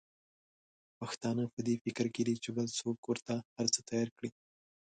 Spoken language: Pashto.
پښتانه په دي فکر کې دي چې بل څوک ورته هرڅه تیار کړي.